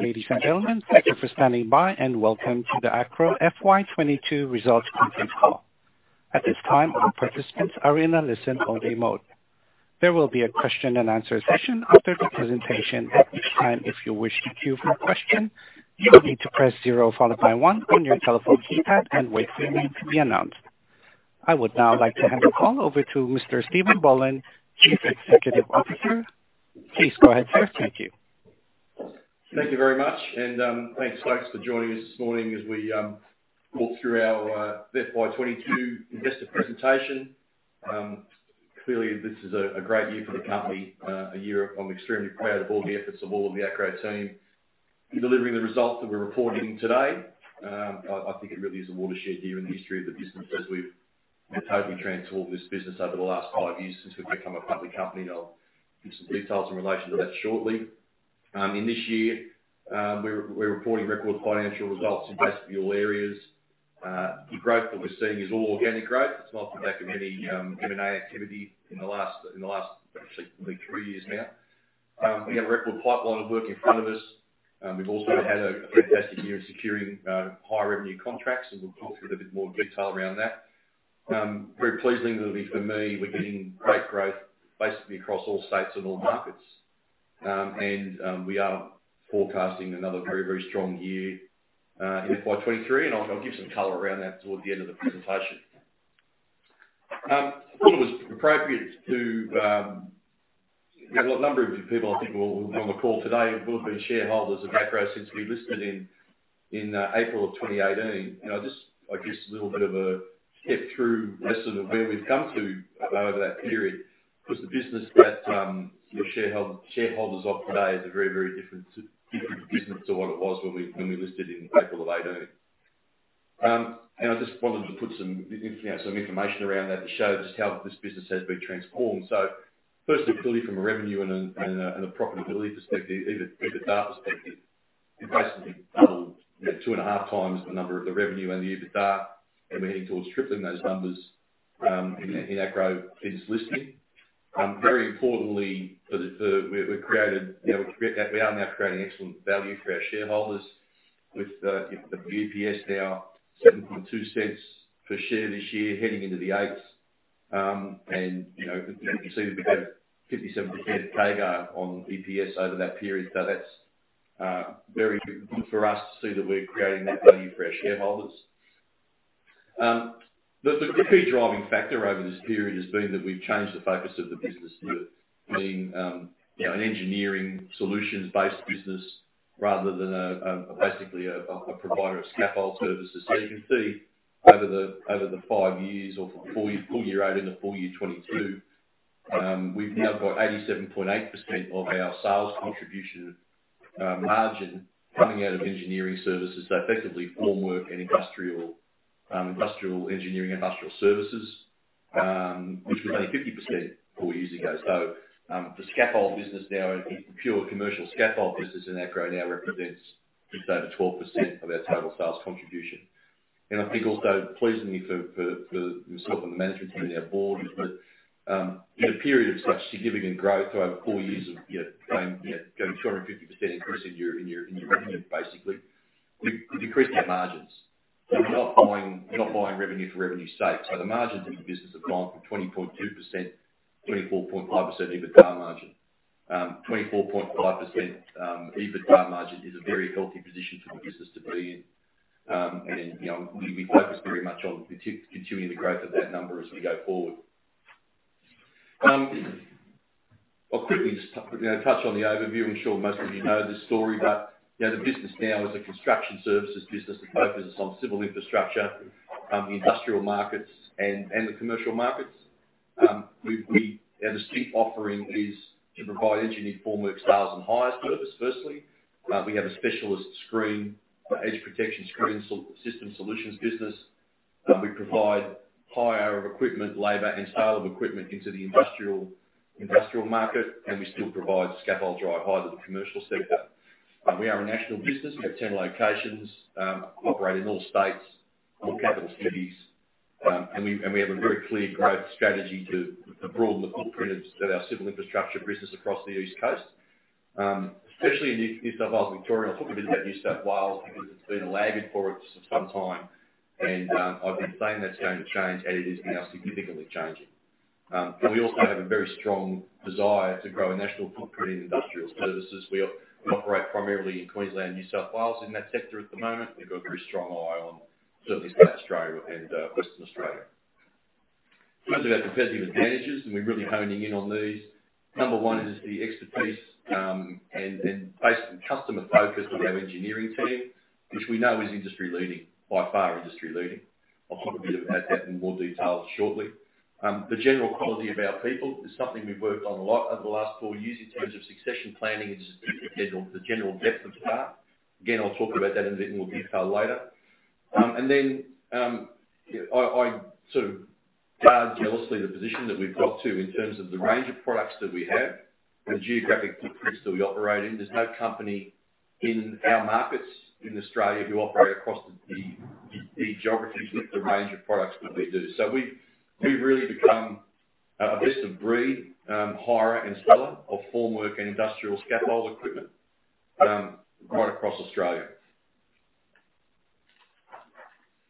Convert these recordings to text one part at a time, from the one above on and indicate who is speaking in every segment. Speaker 1: Ladies and gentlemen, thank you for standing by and welcome to the Acrow FY 2022 results conference call. At this time, all participants are in a listen-only mode. There will be a question and answer session after the presentation, at which time if you wish to queue for a question, you will need to press zero followed by one on your telephone keypad and wait for your name to be announced. I would now like to hand the call over to Mr. Steven Boland, Chief Executive Officer. Please go ahead, sir. Thank you.
Speaker 2: Thank you very much, and thanks folks for joining us this morning as we walk through our FY 2022 investor presentation. Clearly this is a great year for the company, a year I'm extremely proud of all the efforts of all of the Acrow team in delivering the results that we're reporting today. I think it really is a watershed year in the history of the business as we've totally transformed this business over the last five years since we've become a public company. I'll give some details in relation to that shortly. In this year, we're reporting record financial results in basically all areas. The growth that we're seeing is all organic growth. It's not on the back of any M&A activity in the last actually probably three years now. We have a record pipeline of work in front of us. We've also had a fantastic year in securing high revenue contracts and we'll talk through a bit more detail around that. Very pleasingly for me, we're getting great growth basically across all states and all markets. We are forecasting another very strong year in FY 2023, and I'll give some color around that towards the end of the presentation. I thought it was appropriate. We have a number of people I think who are on the call today who have been shareholders of Acrow since we listed in April of 2018. You know, just I guess a little bit of a step through lesson of where we've come to over that period. Because the business that you're shareholders of today is a very different business to what it was when we listed in April 2018. I just wanted to put some, you know, information around that to show just how this business has been transformed. Firstly, clearly from a revenue and a profitability perspective, EBITDA perspective, we've basically doubled, you know, 2.5 times the number of the revenue and the EBITDA, and we're heading towards tripling those numbers in Acrow since listing. Very importantly, we've created, you know, we create that. We are now creating excellent value for our shareholders with the EPS now 0.072 per share this year heading into the eights. You know, you can see that we've had a 57% CAGR on EPS over that period. That's very good for us to see that we're creating that value for our shareholders. The key driving factor over this period has been that we've changed the focus of the business to being, you know, an engineering solutions based business rather than basically a provider of scaffold services. You can see over the five years or from full year 2018 to full year 2022, we've now got 87.8% of our sales contribution margin coming out of engineering services. Effectively formwork and industrial engineering, Industrial Services, which was only 50% four years ago. The scaffold business now, the pure commercial scaffold business in Acrow now represents just over 12% of our total sales contribution. I think also pleasingly for myself and the management team and our board is that, in a period of such significant growth over four years of, you know, going 250% increase in your revenue, basically, we've decreased our margins. We're not buying revenue for revenue's sake. The margins in the business have gone from 20.2%, 24.5% EBITDA margin. 24.5% EBITDA margin is a very healthy position for the business to be in. You know, we focus very much on continuing the growth of that number as we go forward. I'll quickly just, you know, touch on the overview. I'm sure most of you know this story, but you know, the business now is a construction services business that focuses on civil infrastructure, industrial markets and the commercial markets. You know, the key offering is to provide engineered formwork sales and hire service firstly. We have a specialist screen, edge protection screen system solutions business. We provide hire of equipment, labor and sale of equipment into the industrial market, and we still provide scaffold dry hire to the commercial sector. We are a national business. We have 10 locations, operate in all states, all capital cities. We have a very clear growth strategy to broaden the footprint of our civil infrastructure business across the East Coast, especially in New South Wales and Victoria. I'll talk a bit about New South Wales because it's been a laggard for it for some time and I've been saying that's going to change and it is now significantly changing. We also have a very strong desire to grow a national footprint in Industrial Services. We operate primarily in Queensland and New South Wales in that sector at the moment. We've got a very strong eye on certainly South Australia and Western Australia. In terms of our competitive advantages, we're really honing in on these. Number one is the expertise and based on customer focus of our engineering team, which we know is industry leading, by far industry leading. I'll talk a bit about that in more detail shortly. The general quality of our people is something we've worked on a lot over the last four years in terms of succession planning and just the general depth of staff. Again, I'll talk about that in a bit more detail later. You know, I sort of guard jealously the position that we've got to in terms of the range of products that we have and the geographic footprints that we operate in. There's no company in our markets in Australia who operate across the geography with the range of products that we do. We've really become a best-of-breed hirer and seller of formwork and industrial scaffold equipment right across Australia.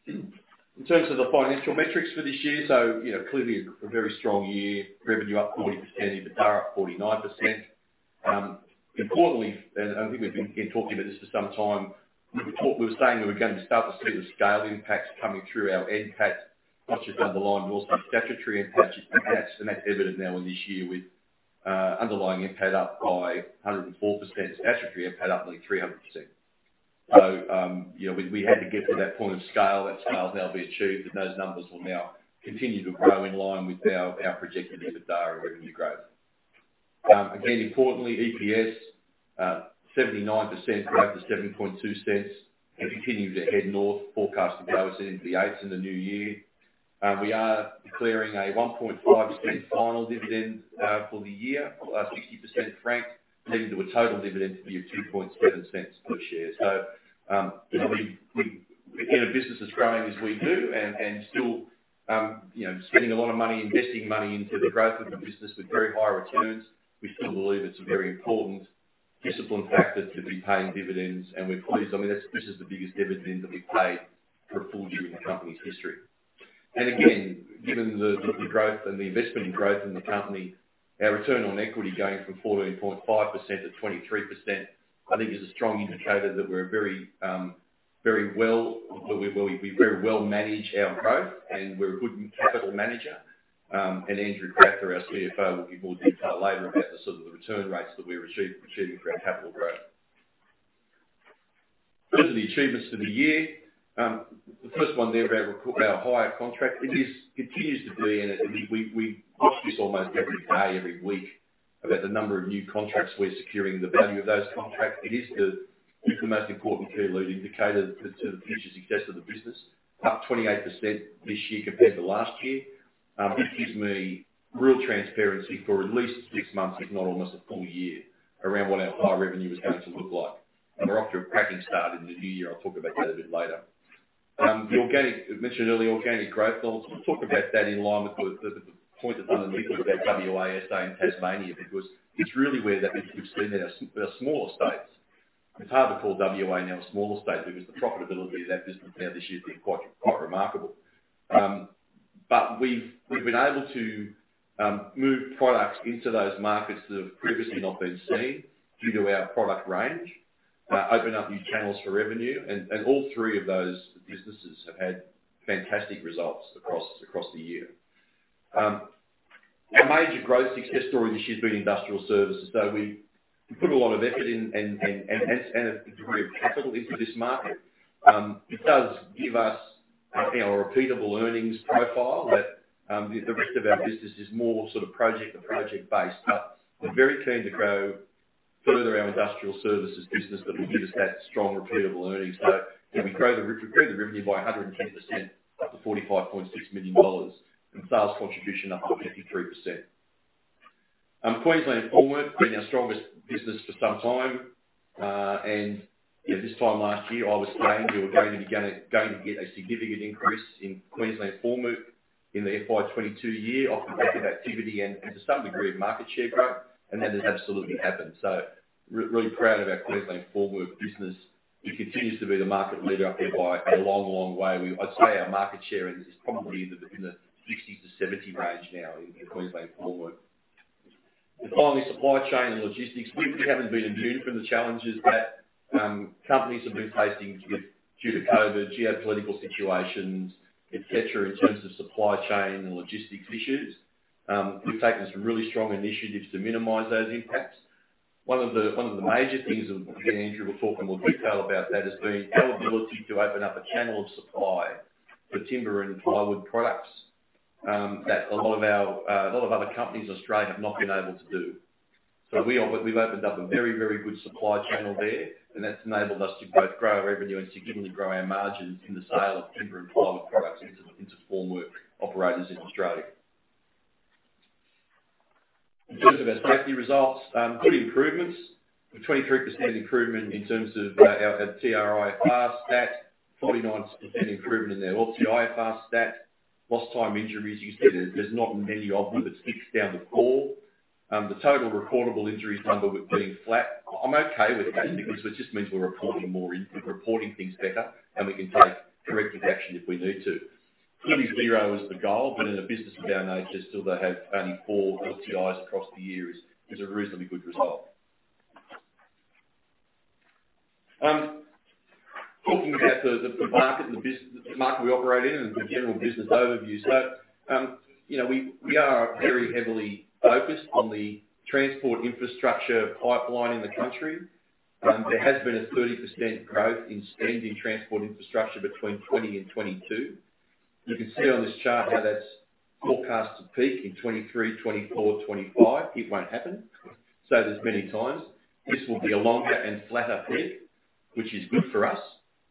Speaker 2: In terms of the financial metrics for this year, you know, clearly a very strong year. Revenue up 40%, EBITDA up 49%. Importantly, and I think we've been talking about this for some time, we were saying that we're going to start to see the scale impacts coming through our NPAT, not just underlying, we also have statutory NPAT. That's evident now in this year with underlying NPAT up by 104%, statutory NPAT up nearly 300%. You know, we had to get to that point of scale. That scale will now be achieved, and those numbers will now continue to grow in line with our projected EBITDA revenue growth. Again, importantly, EPS 79% growth to 0.072 cents and continuing to head north, forecast to grow us into the eights in the new year. We are declaring an 0.015 final dividend for the year, 60% franked, leading to a total dividend to be 0.027 per share. You know, in a business that's growing as we do and still, you know, spending a lot of money, investing money into the growth of the business with very high returns, we still believe it's a very important discipline factor to be paying dividends. We're pleased. I mean, this is the biggest dividend that we've paid for a full year in the company's history. Again, given the growth and the investment in growth in the company, our return on equity going from 14.5%-23%, I think, is a strong indicator that we're very, very well. We very well manage our growth and we're a good capital manager. Andrew Crowther, our CFO, will give more detail later about the sort of the return rates that we're achieving for our capital growth. Those are the achievements for the year. The first one there about our hire contract. It continues to be, and I think we watch this almost every day, every week, about the number of new contracts we're securing and the value of those contracts. It is the most important key leading indicator to the future success of the business. Up 28% this year compared to last year, it gives me real transparency for at least six months, if not almost a full year, around what our hire revenue is going to look like. We're off to a cracking start in the new year. I'll talk about that a bit later. Mentioned earlier, organic growth. I'll talk about that in line with the point that's underneath that, WA, SA, and Tasmania, because it's really where we've seen that our smaller states. It's hard to call WA now a smaller state because the profitability of that business now this year has been quite remarkable. But we've been able to move products into those markets that have previously not been seen due to our product range, open up new channels for revenue. All three of those businesses have had fantastic results across the year. Our major growth success story this year has been Industrial Services. We've put a lot of effort and a degree of capital into this market. It does give us, you know, a repeatable earnings profile that the rest of our business is more sort of project to project-based. We're very keen to grow further our Industrial Services business that will give us that strong repeatable earnings. We grew the revenue by 110% up to 45.6 million dollars, and sales contribution up 53%. Queensland Formwork has been our strongest business for some time. Yeah, this time last year, I was saying we were going to get a significant increase in Queensland Formwork in the FY 2022 year off the back of activity and to some degree of market share growth. That has absolutely happened. Really proud of our Queensland Formwork business, which continues to be the market leader up there by a long, long way. I'd say our market share is probably in the 60%-70% range now in Queensland Formwork. Finally, supply chain and logistics. We haven't been immune from the challenges that companies have been facing due to COVID, geopolitical situations, et cetera, in terms of supply chain and logistics issues. We've taken some really strong initiatives to minimize those impacts. One of the major things, and Andrew will talk in more detail about that, has been our ability to open up a channel of supply for timber and plywood products that a lot of other companies in Australia have not been able to do. We've opened up a very, very good supply channel there, and that's enabled us to both grow our revenue and significantly grow our margins in the sale of timber and plywood products into formwork operators in Australia. In terms of our safety results, good improvements. A 23% improvement in terms of our TRIFR stat. 49% improvement in our LTIFR stat. Lost time injuries, you can see there's not many of them. It's six down the core. The total recordable injuries number being flat. I'm okay with that because it just means we're reporting things better, and we can take corrective action if we need to. Clearly zero is the goal, but in a business of our nature, still to have only four LTIs across the year is a reasonably good result. Talking about the market we operate in and the general business overview. You know, we are very heavily focused on the transport infrastructure pipeline in the country. There has been a 30% growth in spend in transport infrastructure between 2020 and 2022. You can see on this chart how that's forecast to peak in 2023, 2024, 2025. It won't happen. Said this many times. This will be a longer and flatter peak, which is good for us.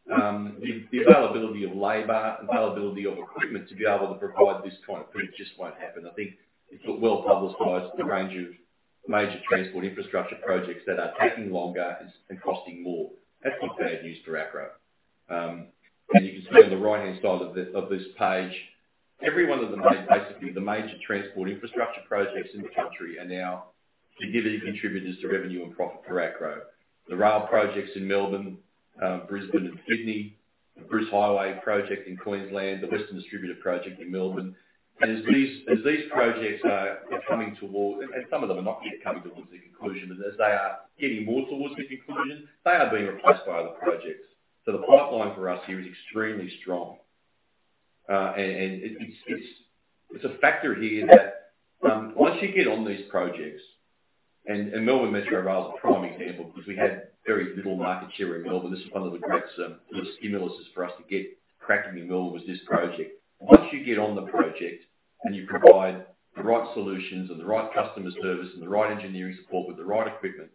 Speaker 2: The availability of labor, availability of equipment to be able to provide this kind of peak just won't happen. I think it's been well publicized the range of major transport infrastructure projects that are taking longer and costing more. That's not bad news for Acrow. You can see on the right-hand side of this page, every one of basically, the major transport infrastructure projects in the country are now significant contributors to revenue and profit for Acrow. The rail projects in Melbourne, Brisbane and Sydney, the Bruce Highway project in Queensland, the Western Distributor project in Melbourne. As these projects are coming toward, some of them are not yet coming towards the conclusion, but as they are getting more towards the conclusion, they are being replaced by other projects. The pipeline for us here is extremely strong. It's a factor here that once you get on these projects, and Melbourne Metro Rail is a prime example because we had very little market share in Melbourne. This is one of the great, sort of stimuluses for us to get cracking in Melbourne was this project. Once you get on the project and you provide the right solutions and the right customer service and the right engineering support with the right equipment,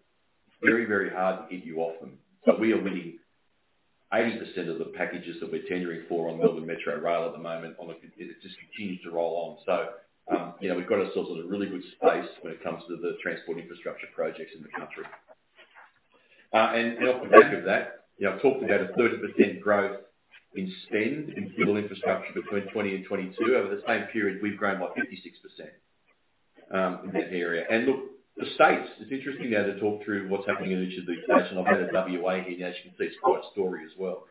Speaker 2: it's very, very hard to get you off them. We are winning 80% of the packages that we're tendering for on Melbourne Metro Rail at the moment. It just continues to roll on. You know, we've got ourselves in a really good space when it comes to the transport infrastructure projects in the country. Off the back of that, you know, I talked about a 30% growth in spend in civil infrastructure between 2020 and 2022. Over the same period, we've grown by 56% in that area. Look, the states, it's interesting now to talk through what's happening in each of these states. I've got a WA here now, as you can see, it's quite a story as well.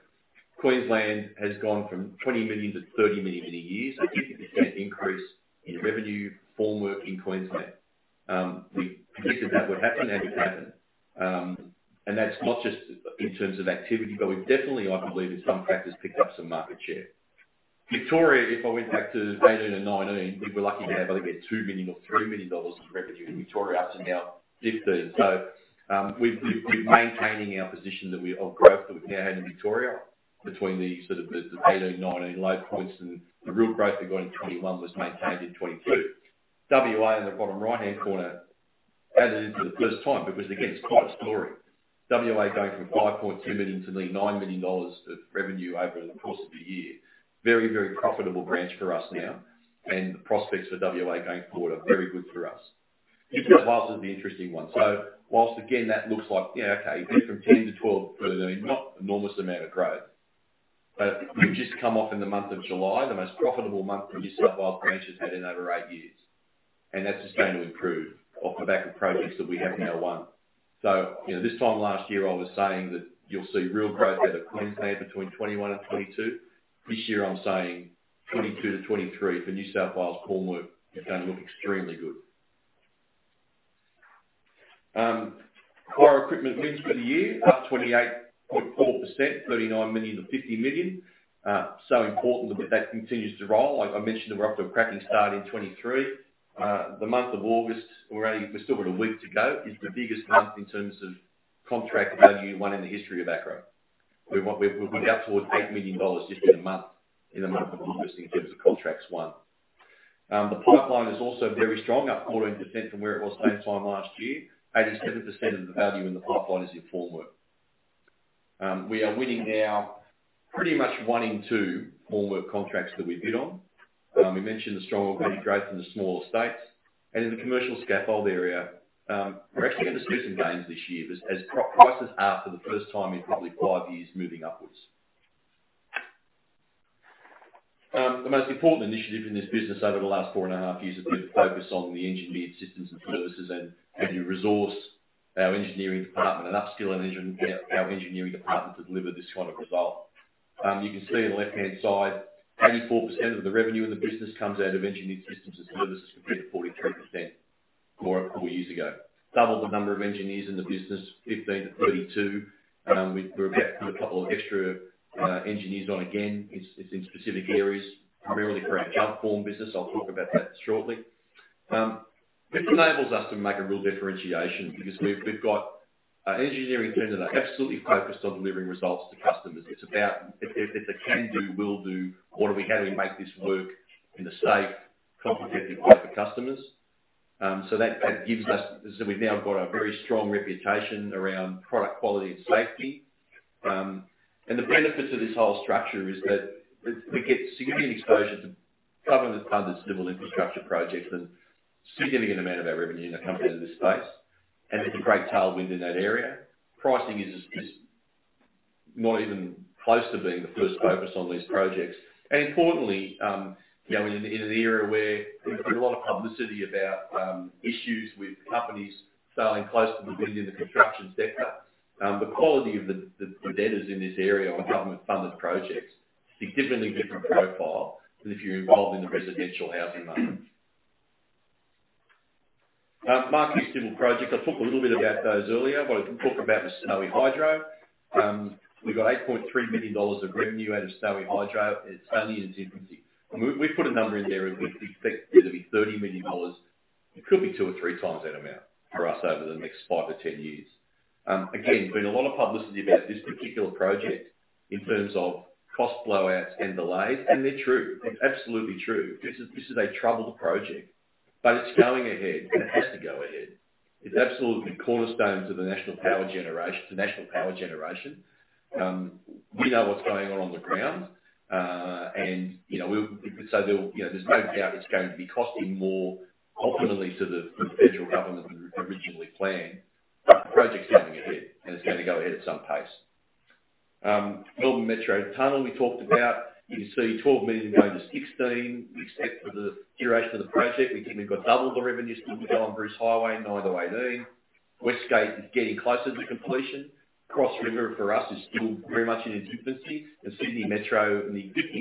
Speaker 2: Queensland has gone from 20 million-30 million in a year, so a 50% increase in revenue, formwork in Queensland. We predicted that would happen, and it happened. That's not just in terms of activity, but we've definitely, I believe, in some practice, picked up some market share. Victoria, if I went back to 2018 and 2019, we were lucky to have, I think, 2 million or 3 million dollars of revenue in Victoria up to now, 50 million. We're maintaining our position of growth that we've now had in Victoria between the 2018, 2019 low points and the real growth we got in 2021 was maintained in 2022. WA in the bottom right-hand corner added in for the first time because it's quite a story. WA going from 5.2 million to nearly 9 million dollars of revenue over the course of a year. Very, very profitable branch for us now, and the prospects for WA going forward are very good for us. New South Wales is the interesting one. While again that looks like, you know, okay, went from 10 million-12 million. Not enormous amount of growth, but we've just come off in the month of July, the most profitable month the New South Wales branch has had in over eight years. That's just going to improve off the back of projects that we have now won. You know, this time last year, I was saying that you'll see real growth out of Queensland between 2021 and 2022. This year I'm saying 2022 to 2023 for New South Wales formwork is gonna look extremely good. Hire equipment wins for the year, up 28.4%, 39 million-50 million. Important that that continues to roll. I mentioned that we're off to a cracking start in 2023. The month of August, we still got a week to go, is the biggest month in terms of contract value won in the history of Acrow. We're up towards 8 million dollars just in a month, in the month of August in terms of contracts won. The pipeline is also very strong, up 14% from where it was same time last year. 87% of the value in the pipeline is in formwork. We are winning now pretty much one in two formwork contracts that we bid on. We mentioned the strong value growth in the smaller states. In the commercial scaffold area, we're actually gonna see some gains this year as project prices are for the first time in probably five years moving upwards. The most important initiative in this business over the last four and a half years has been the focus on the engineered systems and services and heavily resource our engineering department and upskill our engineering department to deliver this kind of result. You can see on the left-hand side, 84% of the revenue of the business comes out of engineered systems and services, compared to 43% for four years ago. Doubled the number of engineers in the business, 15 to 32. We're about to put a couple of extra engineers on again. It's in specific areas, primarily for our guard form business. I'll talk about that shortly. It enables us to make a real differentiation because we've got engineering teams that are absolutely focused on delivering results to customers. It's a can-do, will-do. How do we make this work in a safe, competitive way for customers? That gives us. So we've now got a very strong reputation around product quality and safety. The benefits of this whole structure is that it we get significant exposure to government-funded civil infrastructure projects, and a significant amount of our revenue that comes out of this space, and it's a great tailwind in that area. Pricing is not even close to being the first focus on these projects. Importantly, you know, in an era where there's been a lot of publicity about issues with companies failing close to the wind in the construction sector, the quality of the debtors in this area on government-funded projects is a significantly different profile than if you're involved in the residential housing market. Major civil projects, I talked a little bit about those earlier, but I can talk about the Snowy Hydro. We've got 8.3 million dollars of revenue out of Snowy Hydro. It's only in its infancy. We've put a number in there and we expect there to be 30 million dollars. It could be 2 or 3 times that amount for us over the next five to 10 years. Again, been a lot of publicity about this particular project in terms of cost blowouts and delays, and they're true. It's absolutely true. This is a troubled project, but it's going ahead, and it has to go ahead. It's absolutely cornerstones of the national power generation. We know what's going on, and, you know, so there'll, you know, there's no doubt it's going to be costing more ultimately to the federal government than originally planned, but the project's going ahead, and it's gonna go ahead at some pace. Melbourne Metro Tunnel we talked about. You can see 12 million going to 16 million. We expect for the duration of the project, we think we've got double the revenue still to go on Bruce Highway, 9 million-18 million. West Gate Tunnel is getting closer to completion. Cross River for us is still very much in its infancy. The new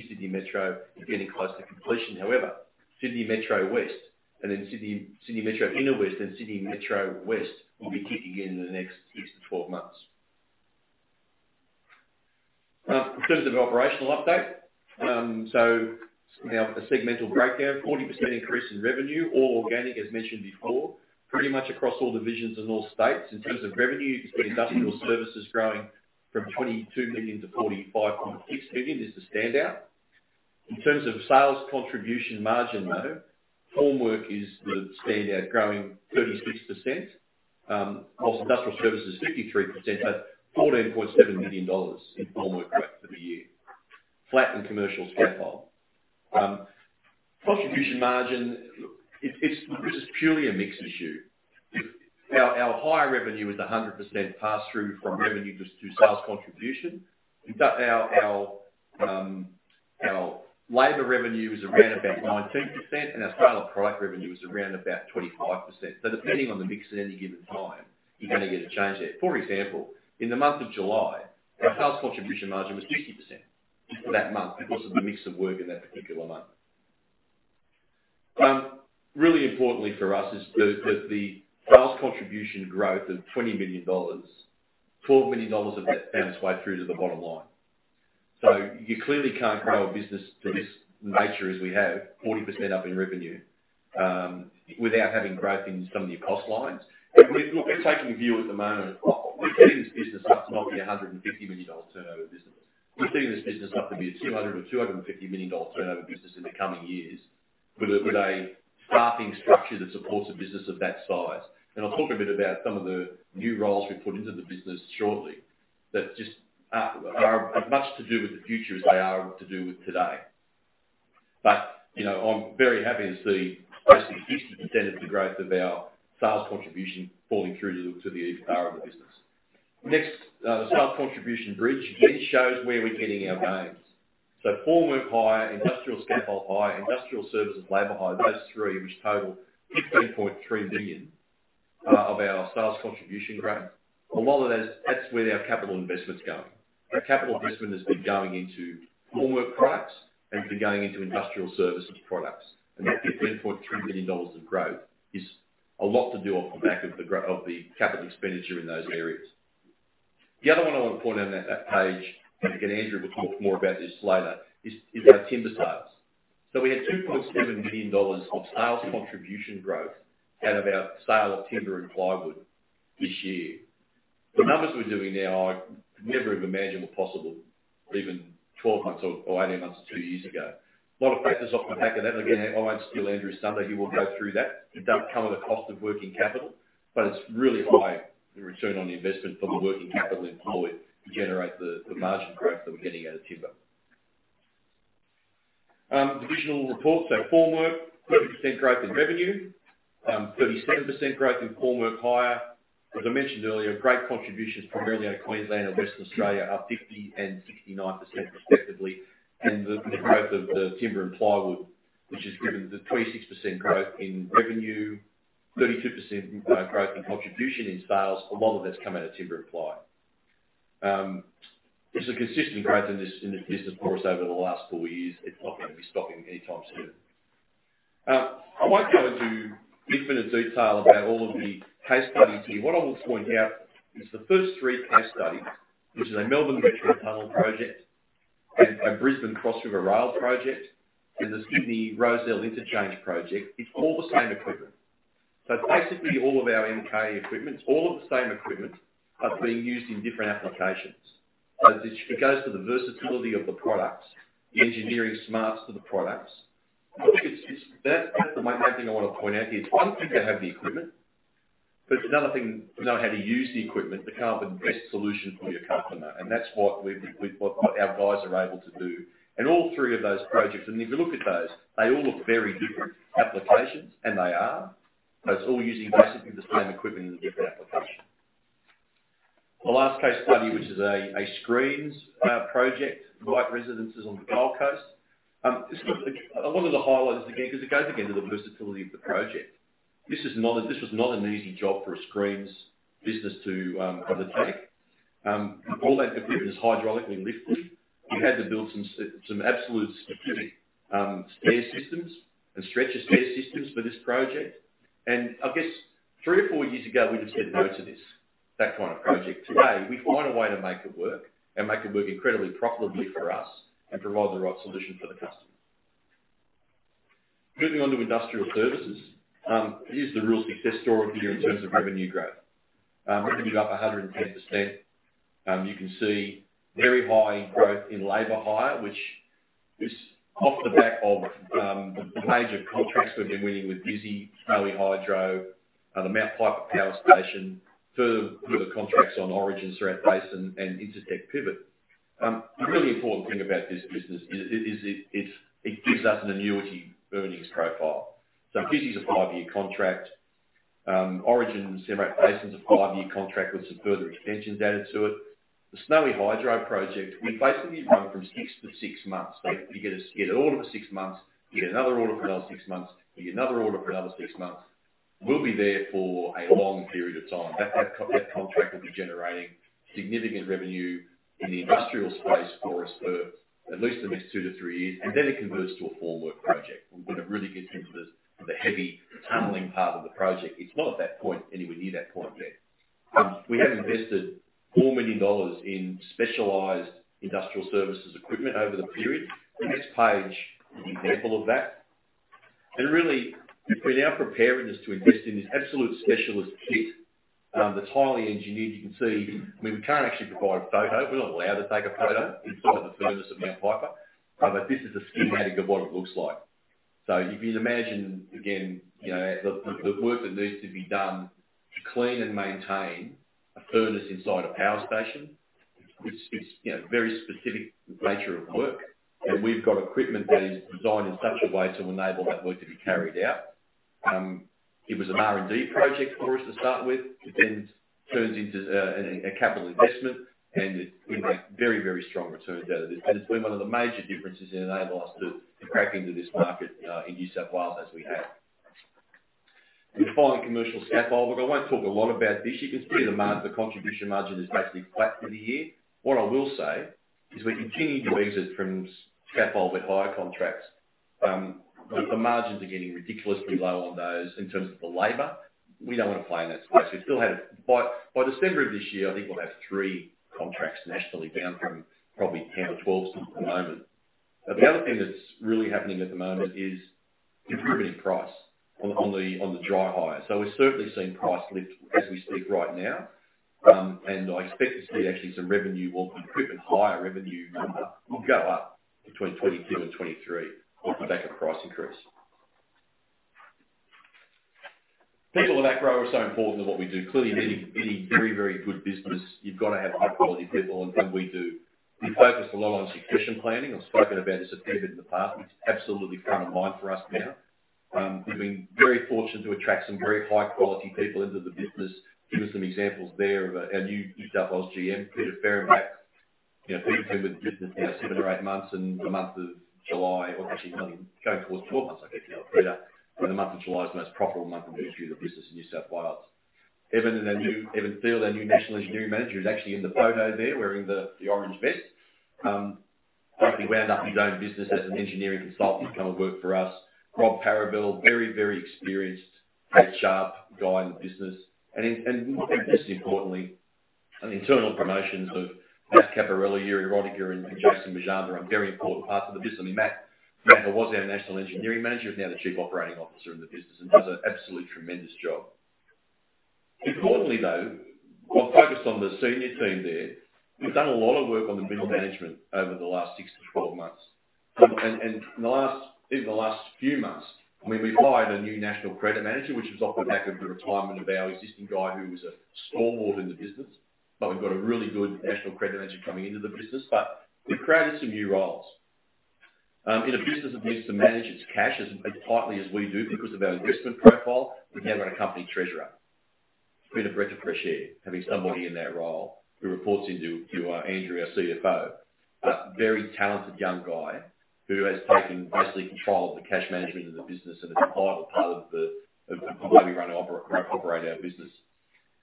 Speaker 2: Sydney Metro is getting close to completion. However, Sydney Metro West and then Sydney Metro Inner West and Sydney Metro West will be kicking in in the next six to 12 months. In terms of operational update, now a segmental breakdown, 40% increase in revenue, all organic as mentioned before, pretty much across all divisions in all states. In terms of revenue, you can see Industrial Services growing from 22 million-45.6 million is the standout. In terms of sales contribution margin though, Formwork is the standout growing 36%, whilst Industrial Services is 53%, but 14.7 million dollars in Formwork growth for the year. Flat in Commercial Scaffold. Contribution margin, it's this is purely a mix issue. Our hire revenue is 100% pass-through from revenue to sales contribution. We've got our labor revenue is around about 19%, and our sale of product revenue is around about 25%. Depending on the mix at any given time, you're gonna get a change there. For example, in the month of July, our sales contribution margin was 50% for that month because of the mix of work in that particular month. Really importantly for us is the sales contribution growth of 20 million dollars, 12 million dollars of that found its way through to the bottom line. You clearly can't grow a business of this nature as we have, 40% up in revenue, without having growth in some of your cost lines. We're taking a view at the moment of we're setting this business up to not be a 150 million dollar turnover business. We're setting this business up to be a 200 million- 250 million dollar turnover business in the coming years with a staffing structure that supports a business of that size. I'll talk a bit about some of the new roles we've put into the business shortly that just are as much to do with the future as they are to do with today. You know, I'm very happy to see basically 50% of the growth of our sales contribution falling through to the EBITDA of the business. Next, sales contribution bridge. This shows where we're getting our gains. Formwork hire, Industrial Scaffold hire, Industrial Services labor hire, those three which total 15.3 million of our sales contribution growth. A lot of that's where our capital investment's going. Our capital investment has been going into Formwork products and been going into Industrial Services products. That 15.3 million dollars of growth is a lot to do off the back of the capital expenditure in those areas. The other one I want to point out on that page, and again, Andrew will talk more about this later, is our timber sales. We had 2.7 million dollars of sales contribution growth out of our sale of timber and plywood this year. The numbers we're doing now I could never have imagined were possible even 12 months or 18 months or two years ago. A lot of factors off the back of that, and again, I'm let still Andrew Crowther, he will go through that. It does come at a cost of working capital, but it's really high the return on the investment for the working capital employed to generate the margin growth that we're getting out of timber. Divisional reports. Formwork, 30% growth in revenue, 37% growth in Formwork hire. As I mentioned earlier, great contributions primarily out of Queensland and Western Australia, up 50% and 69% respectively. The growth of the timber and plywood, which has driven the 26% growth in revenue, 32% growth in contribution in sales. A lot of that's come out of timber and ply. There's a consistent growth in this business for us over the last four years. It's not gonna be stopping anytime soon. I won't go into infinite detail about all of the case studies here. What I will point out is the first three case studies, which is a Melbourne Metro Tunnel project and a Brisbane Cross-River Rail project, and the Sydney Rozelle Interchange project. It's all the same equipment. Basically all of our MK equipment, all of the same equipment are being used in different applications. It goes to the versatility of the products, the engineering smarts of the products. I think it's. That's the main thing I wanna point out here. It's one thing to have the equipment, but it's another thing to know how to use the equipment to come up with the best solution for your customer. That's what our guys are able to do. All three of those projects, and if you look at those, they all look very different applications, and they are. It's all using basically the same equipment in a different application. The last case study, which is a screens project for White Residences on the Gold Coast. I wanted to highlight this again 'cause it goes again to the versatility of the project. This was not an easy job for a screens business to undertake. All that equipment is hydraulically lifted. We had to build some absolutely specific stair systems and stretcher stair systems for this project. I guess three or four years ago, we'd have said no to this, that kind of project. Today, we found a way to make it work and make it work incredibly profitably for us and provide the right solution for the customer. Moving on to Industrial Services. Here's the real success story here in terms of revenue growth. Revenue's up 110%. You can see very high growth in labor hire, which is off the back of the major contracts we've been winning with Visy, Snowy Hydro, and the Mount Piper Power Station, further contracts on Origin-Surat Basin and Incitec Pivot. The really important thing about this business is it gives us an annuity earnings profile. Visy's a five-year contract. Origin-Surat Basin a five-year contract with some further extensions added to it. The Snowy Hydro project, we basically run from six to six months. You get an order for six months, you get another order for another six months, you get another order for another six months. We'll be there for a long period of time. That contract will be generating significant revenue in the industrial space for us for at least the next two to three years, and then it converts to a formwork project. When it really gets into the heavy tunneling part of the project. It's not at that point, anywhere near that point yet. We have invested 4 million dollars in specialized Industrial Services equipment over the period. The next page is an example of that. Really, we're now preparing this to invest in this absolute specialist kit, that's highly engineered. You can see, I mean, we can't actually provide a photo. We're not allowed to take a photo inside the furnace at Mount Piper, but this is a schematic of what it looks like. If you'd imagine, again, the work that needs to be done to clean and maintain a furnace inside a power station, which is very specific nature of work. We've got equipment that is designed in such a way to enable that work to be carried out. It was an R&D project for us to start with. It then turns into a capital investment, and it will make very, very strong returns out of it. It's been one of the major differences that enable us to crack into this market in New South Wales as we have. The final commercial scaffold. Look, I won't talk a lot about this. You can see the contribution margin is basically flat for the year. What I will say is we're continuing to exit from scaffold with hire contracts. The margins are getting ridiculously low on those in terms of the labor. We don't want to play in that space. We still have. By December of this year, I think we'll have three contracts nationally down from probably 10 or 12 at the moment. The other thing that's really happening at the moment is improving price on the dry hire. We're certainly seeing price lift as we speak right now. I expect to see actually some revenue or equipment hire revenue number go up between 2022 and 2023 off the back of price increase. People in Acrow are so important to what we do. Clearly, any very good business, you've got to have high-quality people, and we do. We focus a lot on succession planning. I've spoken about this a fair bit in the past. It's absolutely front of mind for us now. We've been very fortunate to attract some very high-quality people into the business. Give us some examples there of our new New South Wales GM, Peter Fehrenbach. You know, Peter's been with the business now seven or eight months, and the month of July, or actually going towards 12 months I guess now, Peter. The month of July is the most profitable month in the history of the business in New South Wales. Evan Field, our new National Engineering Manager, he is actually in the photo there wearing the orange vest. He wound up his own business as an engineering consultant to come and work for us. Rob Parovel, very, very experienced, very sharp guy in the business. Just as importantly, internal promotions of Matt Caporella, Jurie Roetger, and Jason Merjane, a very important part of the business. I mean, Matt was our National Engineering Manager, is now the Chief Operating Officer in the business and does an absolutely tremendous job. Importantly, though, while focused on the senior team there, we've done a lot of work on the middle management over the last six to 12 months. In the last few months, I mean, we've hired a new National Credit Manager, which was off the back of the retirement of our existing guy who was a stalwart in the business. We've got a really good National Credit Manager coming into the business. We've created some new roles. In a business that needs to manage its cash as tightly as we do because of our investment profile, we now got a Company Treasurer. It's been a breath of fresh air having somebody in that role who reports into Andrew, our CFO. Very talented young guy who has taken basically control of the cash management of the business and is a vital part of how we run operate our business.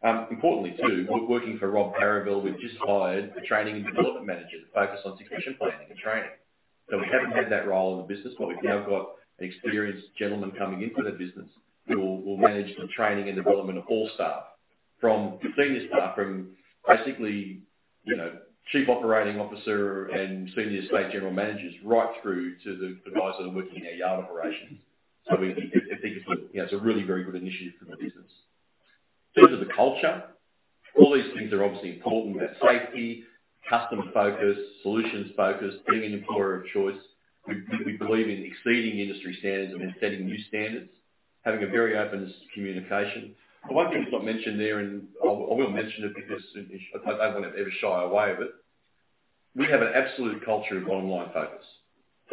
Speaker 2: Importantly, too, working for Rob Parovel, we've just hired a training and development manager to focus on succession planning and training. We haven't had that role in the business, but we've now got an experienced gentleman coming into the business who will manage the training and development of all staff, from basically, you know, Chief Operating Officer and senior state general managers right through to the guys that are working in our yard operations. We think it's a, you know, it's a really very good initiative for the business. Culture, the culture. All these things are obviously important. We have safety, customer focus, solutions focus, being an employer of choice. We believe in exceeding industry standards and setting new standards, having a very open communication. The one thing that's not mentioned there, and I will mention it because I don't want to ever shy away of it, we have an absolute culture of bottom line focus.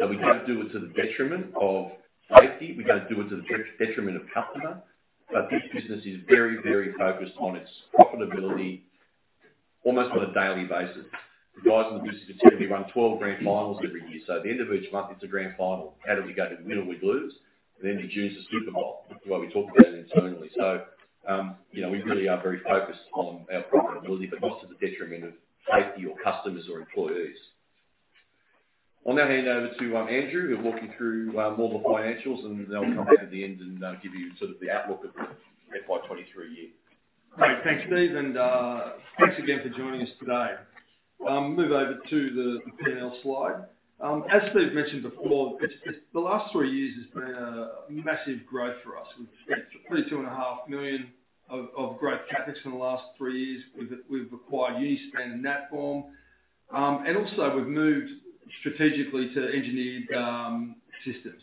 Speaker 2: We don't do it to the detriment of safety. We don't do it to the detriment of customer. This business is very, very focused on its profitability almost on a daily basis. The guys in the business particularly run 12 grand finals every year. At the end of each month, it's a grand final. How did we go? Did we win or we lose? Then we choose a Super Bowl. That's the way we talk about it internally. You know, we really are very focused on our profitability, but not to the detriment of safety or customers or employees. I'll now hand over to Andrew, who'll walk you through more of the financials, and then I'll come back at the end and give you sort of the outlook of the FY 2023 year.
Speaker 3: Great. Thanks, Steve, and thanks again for joining us today. Move over to the P&L slide. As Steve mentioned before, the last three years has been a massive growth for us. We've spent 32.5 million of growth CapEx in the last three years. We've acquired Uni-span and Natform. Also we've moved strategically to engineered systems.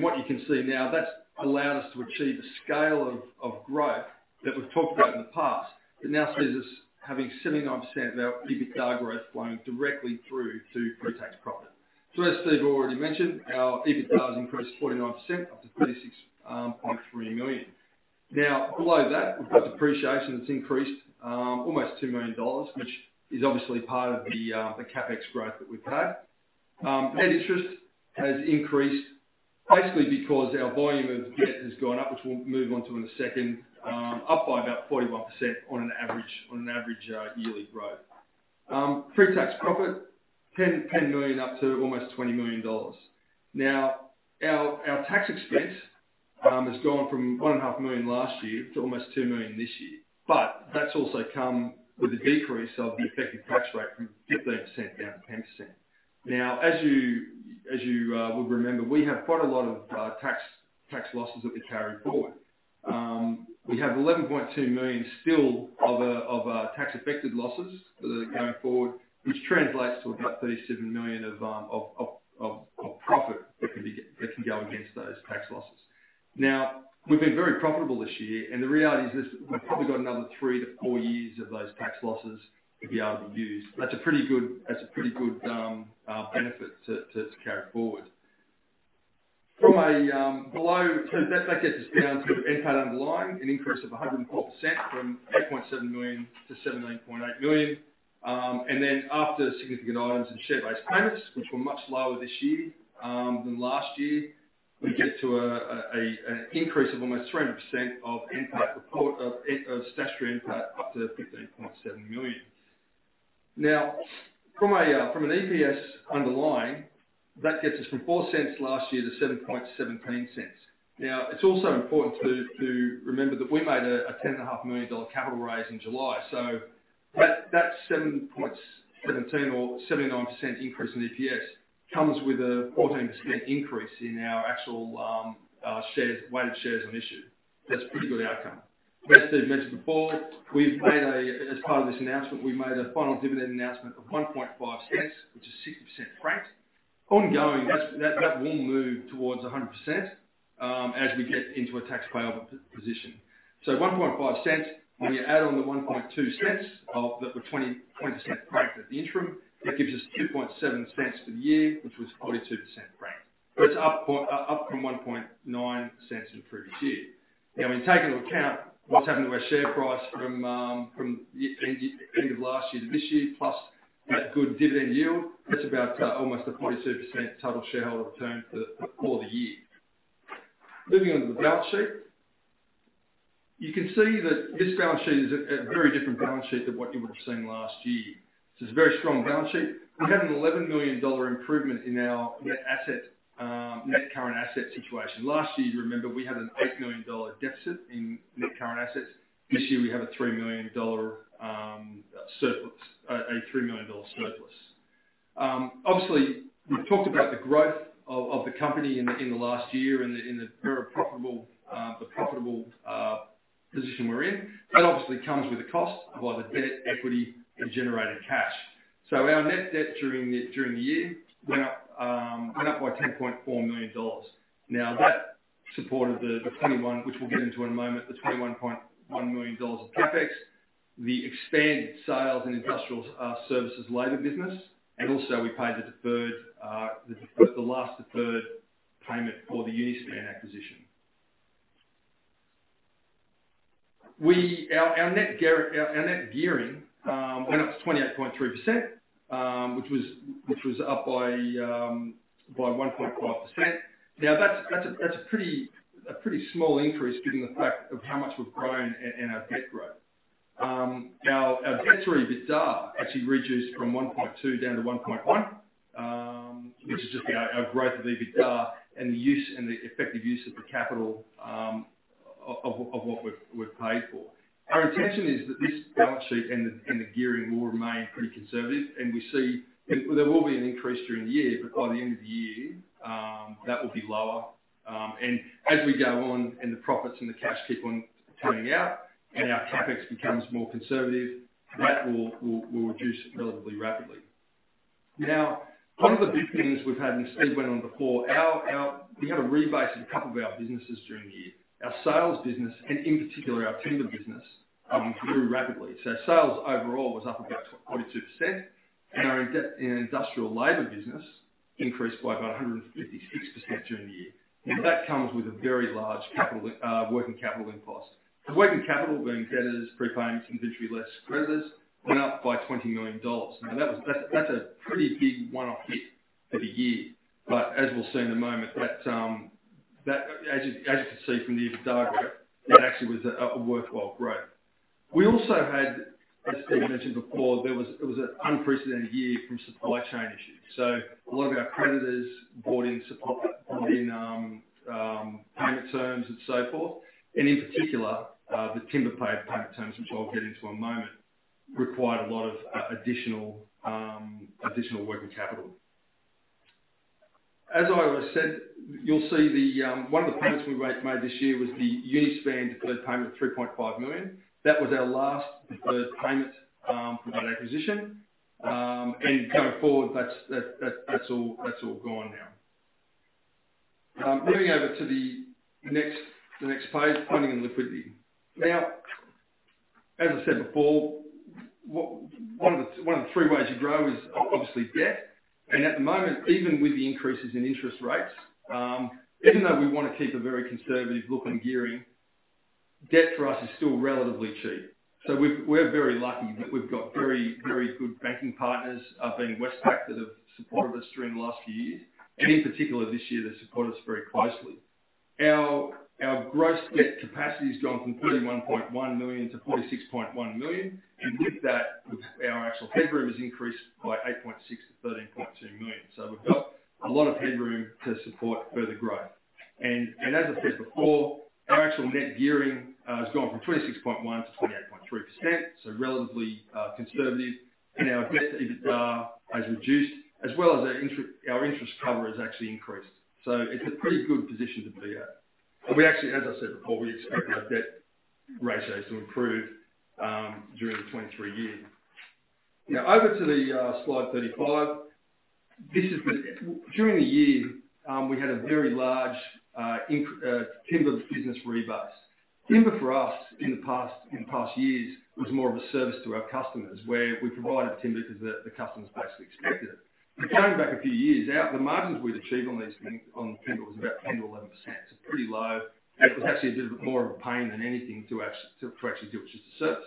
Speaker 3: What you can see now, that's allowed us to achieve a scale of growth that we've talked about in the past, but now sees us having 79% of our EBITDA growth flowing directly through to pre-tax profit. As Steve already mentioned, our EBITDA increased 49% up to 36.3 million. Now, below that, we've got depreciation that's increased almost 2 million dollars, which is obviously part of the CapEx growth that we've had. Net interest has increased basically because our volume of debt has gone up, which we'll move on to in a second, up by about 41% on an average yearly growth. Pre-tax profit, 10 million up to almost 20 million dollars. Now, our tax expense has gone from 1.5 million last year to almost 2 million this year. That's also come with a decrease of the effective tax rate from 15% down to 10%. Now, as you would remember, we have quite a lot of tax losses that we carried forward. We have 11.2 million still of tax-affected losses that are going forward, which translates to about 37 million of profit that can go against those tax losses. Now, we've been very profitable this year, and the reality is this, we've probably got another three to four years of those tax losses to be able to use. That's a pretty good benefit to carry forward. That gets us down to underlying NPAT, an increase of 104% from 8.7 million-17.8 million. After significant items and share-based payments, which were much lower this year than last year, we get to an increase of almost 300% in NPAT before statutory up to 15.7 million. From an underlying EPS, that gets us from 0.04 last year to 0.0717. It's also important to remember that we made a 10.5 million dollar capital raise in July. That 0.0717 or 79% increase in EPS comes with a 14% increase in our actual weighted shares on issue. That's a pretty good outcome. As Steve mentioned before, as part of this announcement, we made a final dividend announcement of 0.015, which is 6% franked. That will move towards 100% as we get into a tax payable position. 0.015, when you add on the 0.012 of the 20% franked at the interim, that gives us 0.027 for the year, which was 42% franked. It's up from 0.019 in the previous year. Now, when you take into account what's happened to our share price from year-end of last year to this year, plus that good dividend yield, that's about almost a 42% total shareholder return for the year. Moving on to the balance sheet. You can see that this balance sheet is a very different balance sheet than what you would've seen last year. This is a very strong balance sheet. We had an 11 million dollar improvement in our net current asset situation. Last year, you remember, we had an 8 million dollar deficit in net current assets. This year, we have an 3 million dollar surplus. Obviously we've talked about the growth of the company in the last year and the very profitable position we're in. That obviously comes with a cost via the debt equity and generated cash. Our net debt during the year went up by 10.4 million dollars. Now, that supported the twenty-one, which we'll get into in a moment, the 21.1 million dollars of CapEx, the expanded sales and Industrial Services labor business, and also we paid the last deferred payment for the Uni-span acquisition. Our net gearing went up to 28.3%, which was up by 1.5%. Now that's a pretty small increase given the fact of how much we've grown in our debt growth. Our debt to EBITDA actually reduced from 1.2 down to 1.1, which is just our growth of the EBITDA and the effective use of the capital of what we've paid for. Our intention is that this balance sheet and the gearing will remain pretty conservative and we see there will be an increase during the year, but by the end of the year, that will be lower. And as we go on and the profits and the cash keep on coming out and our CapEx becomes more conservative, that will reduce relatively rapidly. Now, one of the big things we've had, and Steve went on before, we had a rebase in a couple of our businesses during the year. Our sales business, and in particular our timber business, grew rapidly. Sales overall was up about 42% and our industrial labor business increased by about 156% during the year. Now that comes with a very large capital working capital input. Working capital, being debtors, prepayments, inventory, less creditors, went up by 20 million dollars. Now that was, that's a pretty big one-off hit for the year. As we'll see in a moment, that, as you can see from the EBITDA growth, it actually was a worthwhile growth. We also had, as Steve mentioned before, it was an unprecedented year from supply chain issues. A lot of our creditors brought in payment terms and so forth. In particular, the timber payment terms, which I'll get into in a moment, required a lot of additional working capital. As I said, you'll see the one of the payments we made this year was the Uni-span deferred payment of 3.5 million. That was our last deferred payment for that acquisition. Going forward, that's all gone now. Moving over to the next page, funding and liquidity. Now, as I said before, one of the three ways you grow is obviously debt. At the moment, even with the increases in interest rates, even though we wanna keep a very conservative look on gearing, debt for us is still relatively cheap. We're very lucky that we've got very good banking partners, being Westpac that have supported us during the last few years. In particular this year, they supported us very closely. Our gross debt capacity has gone from 31.1 million-46.1 million, and with that, our actual headroom has increased by 8.6 million-13.2 million. We've got a lot of headroom to support further growth. As I said before, our actual net gearing has gone from 26.1%-28.3%, so relatively conservative. Our debt EBITDA has reduced, as well as our interest cover has actually increased. It's a pretty good position to be at. We actually, as I said before, we expect our debt ratios to improve during 2023. Now, over to the slide 35. During the year, we had a very large timber business rebase. Timber for us in the past, in past years, was more of a service to our customers, where we provided timber because the customers basically expected it. Going back a few years, our the margins we'd achieve on these things, on timber, was about 10%-11%, so pretty low. It was actually a bit more of a pain than anything to actually do it, just a service.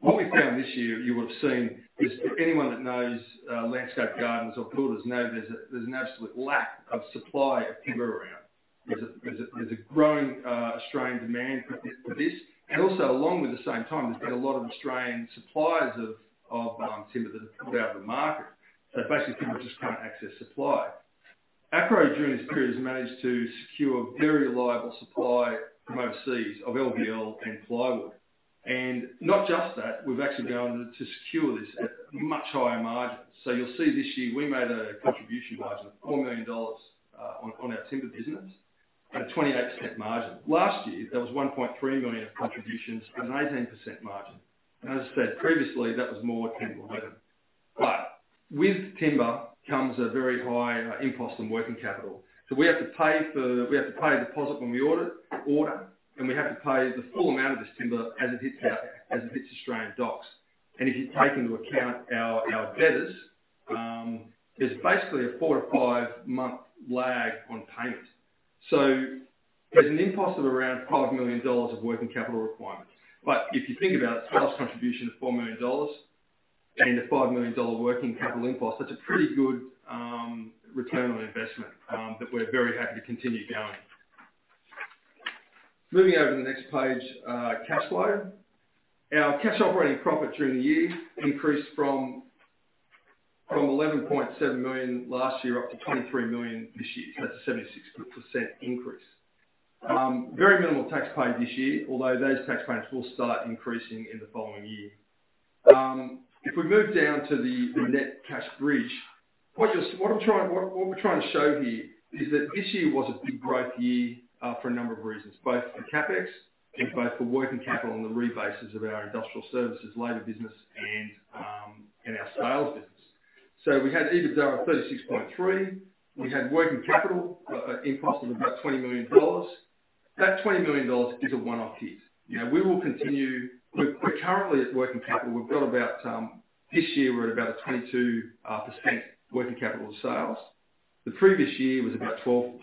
Speaker 3: What we found this year, you would have seen, is anyone that knows landscape gardens or builders know there's a growing Australian demand for this. Also along with the same time, there's been a lot of Australian suppliers of timber that have come out of the market. So basically, people just can't access supply. Acrow during this period has managed to secure a very reliable supply from overseas of LVL and plywood. Not just that, we've actually been able to secure this at much higher margins. You'll see this year we made a contribution margin of 4 million dollars on our timber business at a 28% margin. Last year, there was 1.3 million of contributions at an 18% margin. As I said previously, that was more 10%-11%. With timber comes a very high input on working capital. We have to pay a deposit when we order, and we have to pay the full amount of this timber as it hits Australian docks. If you take into account our debtors, there's basically a four to five month lag on payment. There's an input of around 5 million dollars of working capital requirements. If you think about a sales contribution of 4 million dollars and a 5 million dollar working capital input, that's a pretty good return on investment that we're very happy to continue going. Moving over to the next page, cash flow. Our cash operating profit during the year increased from 11.7 million last year up to 23 million this year. That's a 76% increase. Very minimal tax paid this year, although those tax payments will start increasing in the following year. If we move down to the net cash bridge, what we're trying to show here is that this year was a big growth year for a number of reasons, both for CapEx and both for working capital and the rebases of our Industrial Services labor business and our sales business. We had EBITDA of 36.3 million. We had working capital input of about 20 million dollars. That 20 million dollars is a one-off hit. You know, we will continue. We're currently at working capital. We've got about this year we're at about a 22% working capital of sales. The previous year was about 12.5%.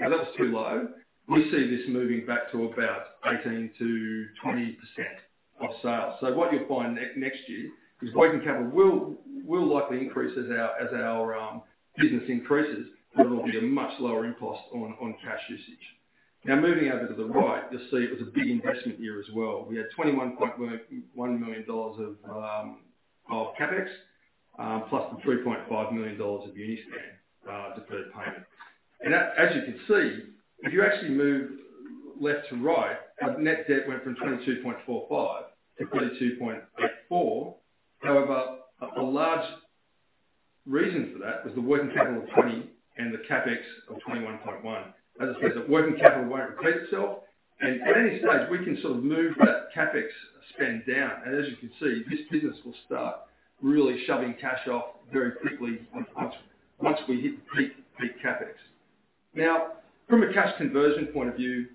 Speaker 3: That was too low. We see this moving back to about 18%-20% of sales. What you'll find next year is working capital will likely increase as our business increases, but it will be a much lower input on cash usage. Now, moving over to the right, you'll see it was a big investment year as well. We had 21.1 million dollars of CapEx plus the 3.5 million dollars of Uni-span deferred payment. As you can see, if you actually move left to right, our net debt went from 22.45 to 22.84. However, a large reason for that was the working capital of 20 and the CapEx of 21.1. As I said, the working capital won't repeat itself. At any stage, we can sort of move that CapEx spend down. As you can see, this business will start really shoving cash off very quickly once we hit peak CapEx. Now, from a cash conversion point of view,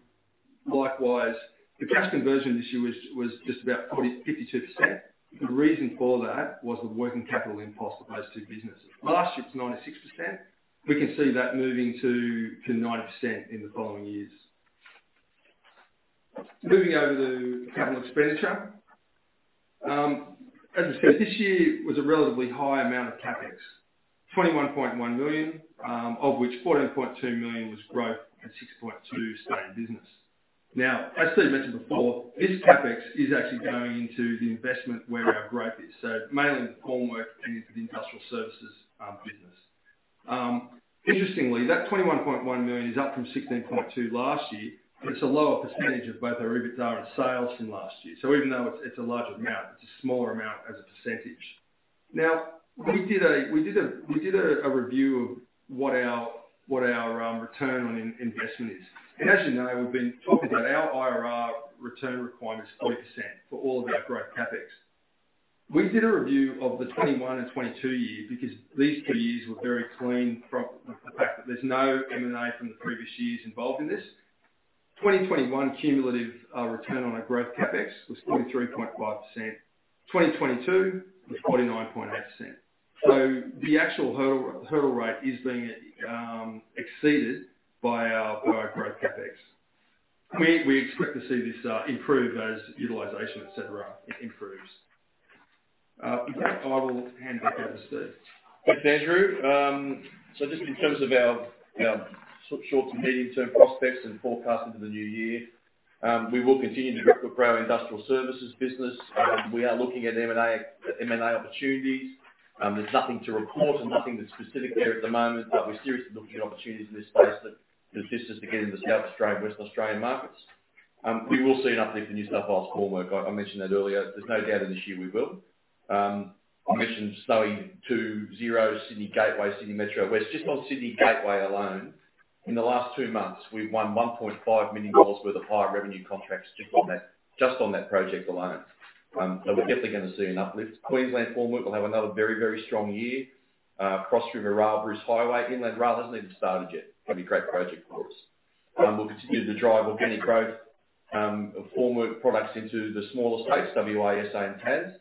Speaker 3: likewise, the cash conversion this year was just about 45.2%. The reason for that was the working capital input for those two businesses. Last year, it's 96%. We can see that moving to 90% in the following years. Moving over to capital expenditure. As I said, this year was a relatively high amount of CapEx, 21.1 million, of which 14.2 million was growth and 6.2 million staying in business. Now, as Steven mentioned before, this CapEx is actually going into the investment where our growth is. Mainly the formwork and the Industrial Services business. Interestingly, that 21.1 million is up from 16.2 million last year, and it's a lower percentage of both our EBITDA and sales than last year. Even though it's a larger amount, it's a smaller amount as a percentage. Now, we did a review of what our return on investment is. As you know, we've been talking about our IRR return requirement is 40% for all of our growth CapEx. We did a review of the 2021 and 2022 year because these two years were very clean from the fact that there's no M&A from the previous years involved in this. 2021 cumulative return on our growth CapEx was 43.5%. 2022 was 49.8%. The actual hurdle rate is being exceeded by our growth CapEx. We expect to see this improve as utilization, et cetera, improves. In fact, I will hand back over to Steve.
Speaker 2: Thanks, Andrew. Just in terms of our short to medium-term prospects and forecast into the new year, we will continue to grow our Industrial Services business. We are looking at M&A opportunities. There's nothing to report and nothing that's specific there at the moment, but we're seriously looking at opportunities in this space that assists us to get into the South Australian, West Australian markets. We will see an uplift in New South Wales formwork. I mentioned that earlier. There's no doubt in this year we will. I mentioned Snowy 2.0, Sydney Gateway, Sydney Metro West. Just on Sydney Gateway alone, in the last two months, we've won AUD 1.5 million worth of hire revenue contracts just on that project alone. We're definitely gonna see an uplift. Queensland formwork will have another very, very strong year. Cross River Rail, Bruce Highway, Inland Rail hasn't even started yet. Gonna be a great project for us. We'll continue to drive organic growth of formwork products into the smaller states, WA, SA, and Tas.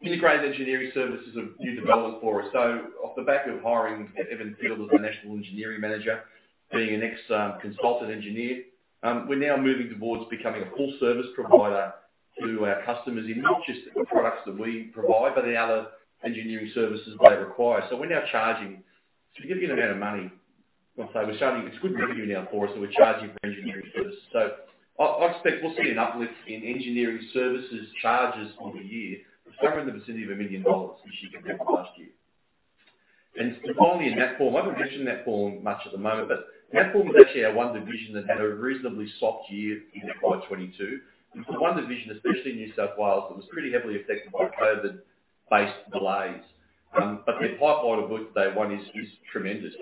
Speaker 2: Integrated Engineering Services are a new development for us. Off the back of hiring Evan Field as the national engineering manager, being an ex consultant engineer, we're now moving towards becoming a full service provider to our customers in not just the products that we provide, but the other engineering services they require. We're now charging a significant amount of money. It's good revenue now for us, so we're charging for engineering services. I expect we'll see an uplift in engineering services charges on the year somewhere in the vicinity of 1 million dollars this year compared to last year. Finally in platform, I haven't mentioned platform much at the moment, but platform is actually our one division that had a reasonably soft year in FY 2022. It's the one division, especially in New South Wales, that was pretty heavily affected by COVID-based delays. But the pipeline of work that they won is tremendous.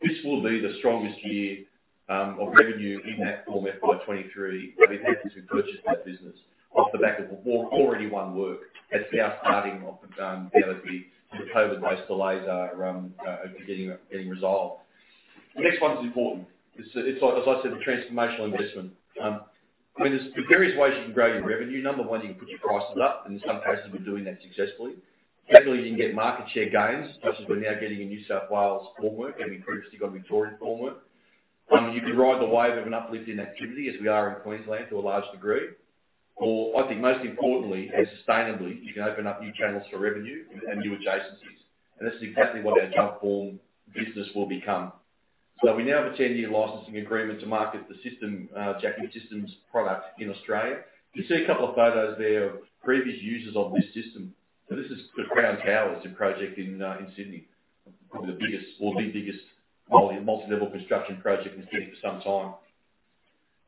Speaker 2: This will be the strongest year of revenue in that for FY 2023 since we purchased that business off the back of already won work that's now starting off, now that the COVID-based delays are getting resolved. The next one's important. It's, as I said, the transformational investment. I mean, there's various ways you can grow your revenue. Number one, you can put your prices up, and in some cases, we're doing that successfully. Secondly, you can get market share gains, just as we're now getting in New South Wales formwork and previously got Victoria formwork. You can ride the wave of an uplift in activity as we are in Queensland to a large degree. I think most importantly, and sustainably, you can open up new channels for revenue and new adjacencies. This is exactly what our Jumpform business will become. We now have a 10-year licensing agreement to market the system, Jacking Systems product in Australia. You see a couple of photos there of previous users of this system. This is the Crown Towers, a project in Sydney, probably the biggest multi-level construction project in Sydney for some time.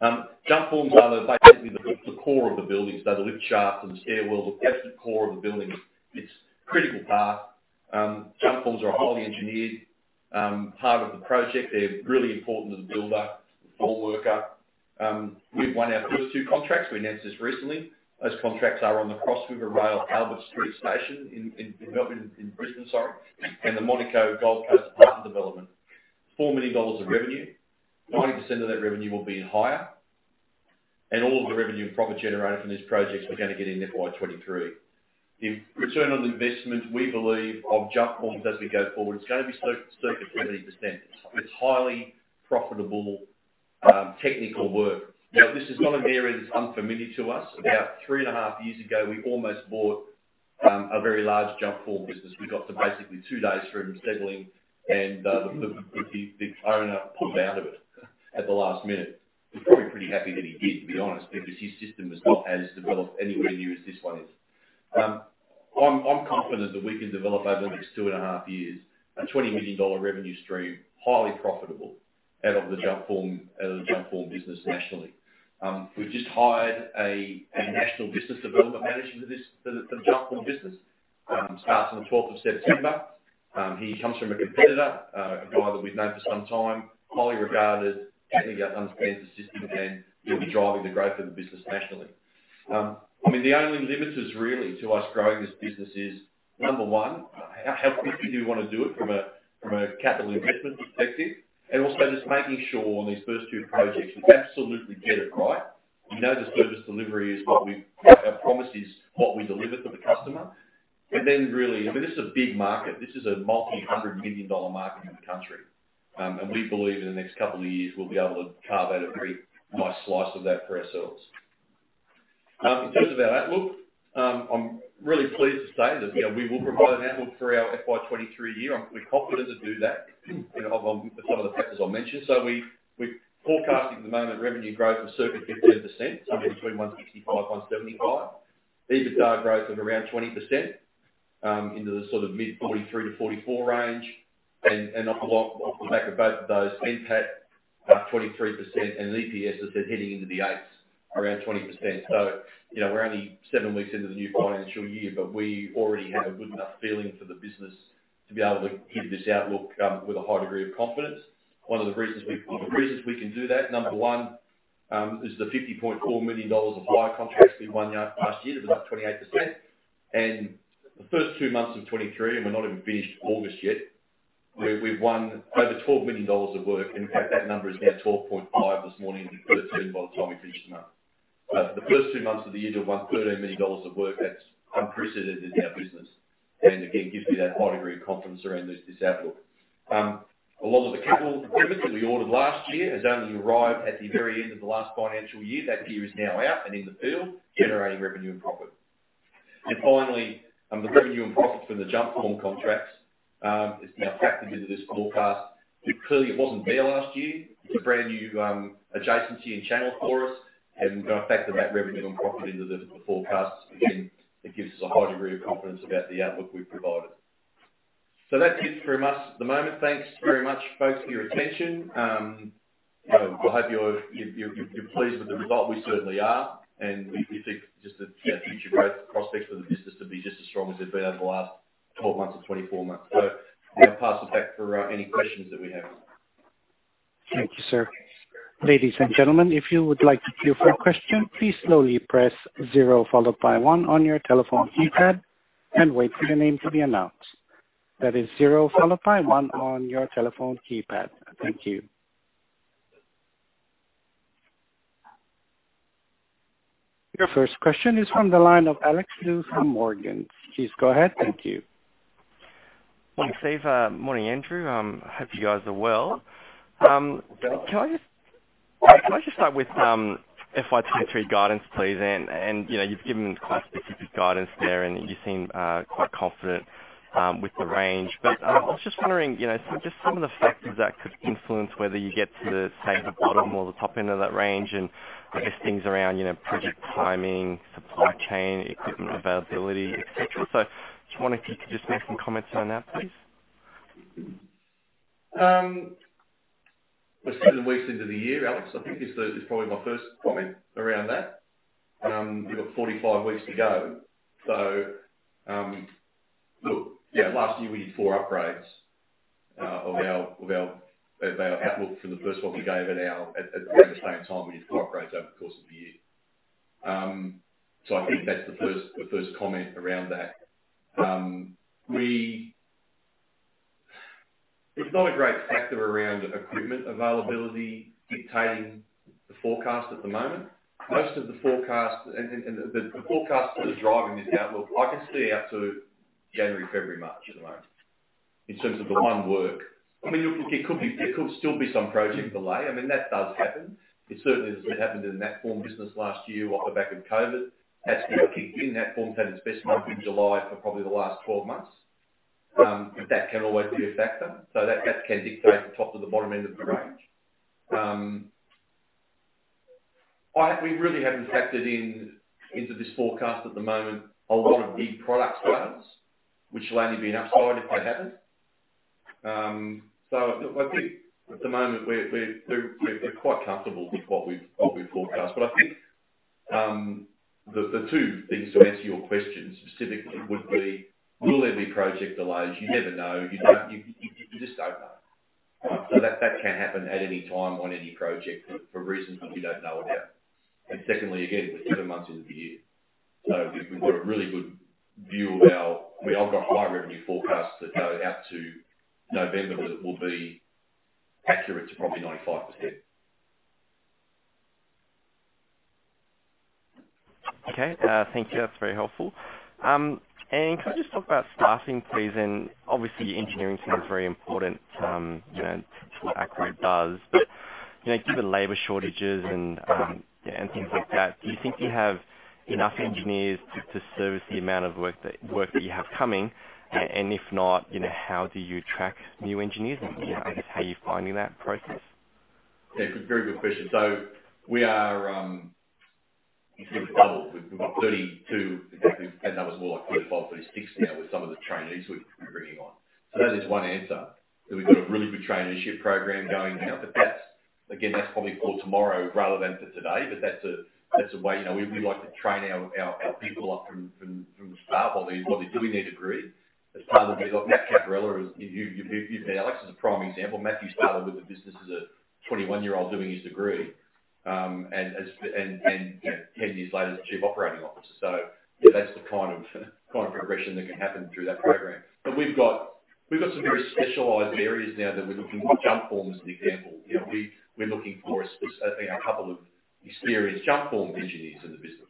Speaker 2: Jumpform are basically the core of the buildings. They're the lift shafts and the stairwells, the absolute core of the buildings. It's a critical part. Jumpform are a highly engineered part of the project. They're really important to the builder, the form worker. We've won our first two contracts. We announced this recently. Those contracts are on the Cross River Rail Albert Street Station in Brisbane, and the Monaco Gold Coast apartment development. 4 million dollars of revenue, 90% of that revenue will be higher, and all of the revenue and profit generated from these projects we're gonna get in FY 2023. In terms of return on investment, we believe in Jumpforms as we go forward, it's gonna be circa 20%. It's highly profitable, technical work. This is not an area that's unfamiliar to us. About three and a half years ago, we almost bought a very large Jumpform business. We got to basically two days out from settling, and the owner pulled out of it at the last minute. He's probably pretty happy that he did, to be honest, because his system has not developed any revenue as this one is. I'm confident that we can develop over the next two and a half years a 20 million dollar revenue stream, highly profitable, out of the Jumpform business nationally. We've just hired a national business development manager for the Jumpform business. Starts on the 12th of September. He comes from a competitor, a guy that we've known for some time. Highly regarded. I think understands the system and will be driving the growth of the business nationally. I mean, the only limit really to us growing this business is number one, how quickly do we wanna do it from a capital investment perspective, and also just making sure on these first two projects we absolutely get it right. We know the service delivery is what we promise. Our promise is what we deliver for the customer. Really, I mean, this is a big market. This is a multi-hundred million dollar market in the country. We believe in the next couple of years, we'll be able to carve out a very nice slice of that for ourselves. In terms of our outlook, I'm really pleased to say that, you know, we will provide an outlook for our FY 2023 year. We're confident to do that, you know, of some of the factors I mentioned. We're forecasting at the moment revenue growth of circa 15%, somewhere between 165-175. EBITDA growth of around 20%, into the sort of mid 43-44 range. Off the back of both of those, NPAT about 23% and the EPS is hitting into the eights, around 20%. You know, we're only seven weeks into the new financial year, but we already have a good enough feeling for the business to be able to give this outlook with a high degree of confidence. One of the reasons we can do that, number one, is the 50.4 million dollars of hire contracts we won last year. That's about 28%. The first two months of 2023, and we're not even finished August yet, we've won over 12 million dollars of work. In fact, that number is now 12.5 this morning, it'll be 13 by the time we finish the month. The first two months of the year, we've won AUD 13 million of work. That's unprecedented in our business. Again, gives me that high degree of confidence around this outlook. A lot of the capital equipment that we ordered last year has only arrived at the very end of the last financial year. That gear is now out and in the field, generating revenue and profit. Finally, the revenue and profit from the Jumpform contracts is now factored into this forecast. Clearly, it wasn't there last year. It's a brand new adjacency and channel for us, and the fact that that revenue and profit into the forecast, again, it gives us a high degree of confidence about the outlook we've provided. That's it from us at the moment. Thanks very much, folks, for your attention. You know, I hope you're pleased with the result. We certainly are. We think just the, you know, future growth prospects for the business to be just as strong as they've been over the last 12 months or 24 months. I'm gonna pass it back for any questions that we have.
Speaker 1: Thank you, sir. Ladies and gentlemen, if you would like to queue for a question, please slowly press zero followed by one on your telephone keypad and wait for your name to be announced. That is zero followed by one on your telephone keypad. Thank you. Your first question is from the line of Alex Lu from Morgans. Please go ahead. Thank you.
Speaker 4: Thanks, Steve. Morning, Andrew. Hope you guys are well. Can I just start with FY 2023 guidance, please? You know, you've given quite specific guidance there, and you seem quite confident with the range. I was just wondering, you know, so just some of the factors that could influence whether you get to the, say, the bottom or the top end of that range, and I guess things around, you know, project timing, supply chain, equipment availability, et cetera. I just wonder if you could just make some comments on that, please.
Speaker 2: We're seven weeks into the year, Alex. I think this is probably my first comment around that. We've got 45 weeks to go. Look, yeah, last year we did four upgrades of our outlook. At the same time, we did four upgrades over the course of the year. I think that's the first comment around that. It's not a great factor around equipment availability dictating the forecast at the moment. Most of the forecast and the forecast that are driving this outlook, I can see out to January, February, March at the moment in terms of the won work. I mean, look, it could be, there could still be some project delay. I mean, that does happen. It certainly has happened in the Natform business last year off the back of COVID. That's been kicked in. Natform's had its best month in July for probably the last 12 months. That can always be a factor. That can dictate the top to the bottom end of the range. We really haven't factored in into this forecast at the moment a lot of big product wins, which will only be an upside if they happen. Look, I think at the moment we're quite comfortable with what we've forecast. I think the two things to answer your question specifically would be, will there be project delays? You never know. You don't, you just don't know. That can happen at any time on any project for reasons that we don't know about. Secondly, again, we're seven months into the year, so we've got a really good view of our. We only got high revenue forecasts that go out to November that will be accurate to probably 95%.
Speaker 4: Okay. Thank you. That's very helpful. Can I just talk about staffing, please? Obviously engineering seems very important, you know, to what Acrow does. You know, given labor shortages and things like that, do you think you have enough engineers to service the amount of work that you have coming? If not, you know, how do you attract new engineers? You know, how are you finding that process?
Speaker 2: Yeah, it's a very good question. We are, we've got 32 exactly, and that was more like 35, 36 now with some of the trainees we're bringing on. That is one answer. That we've got a really good traineeship program going now. That's, again, that's probably for tomorrow rather than for today. That's a way. You know, we like to train our people up from the start while they're doing their degree. As part of the Matt Caporella is. You've met Alex, is a prime example. Matthew started with the business as a 21-year-old doing his degree, and you know, 10 years later as the Chief Operating Officer. Yeah, that's the kind of progression that can happen through that program. We've got some very specialized areas now that we're looking. Jumpform as an example. You know, we're looking for a couple of experienced Jumpform engineers in the business.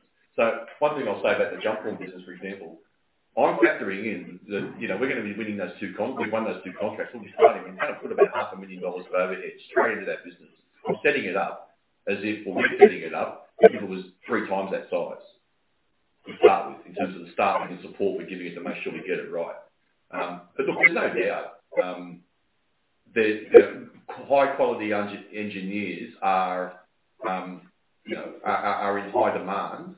Speaker 2: One thing I'll say about the Jumpform business, for example, I'm factoring in that, you know, we're gonna be winning those two. We've won those two contracts. We'll be starting. We've had to put about 0.5 million dollars of overhead straight into that business. We're setting it up as if it was three times that size to start with in terms of the staff and the support we're giving it to make sure we get it right. Look, there's no doubt, the high quality engineers are, you know, in high demand.